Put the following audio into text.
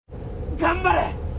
頑張れ！